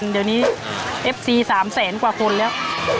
เดี๋ยวนี้เอฟซี๓แสนกว่าคนแล้ว